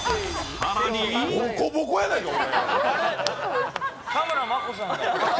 ボコボコやないか、俺。